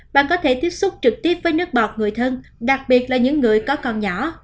bạn có thể tiếp xúc trực tiếp với nước bọt người thân đặc biệt là những người có con nhỏ